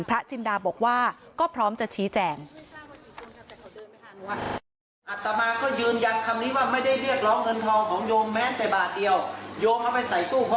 จินดาบอกว่าก็พร้อมจะชี้แจง